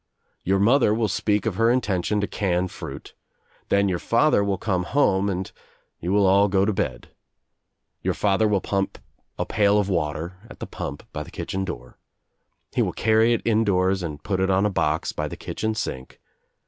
Your mother will speak of her intention to can fruit. Then your father will come home and you will all go to bed. Your father will pump a pail of water at the pump by the kitchen door. He will carry it indoors and put it on a box by the kitchen sink.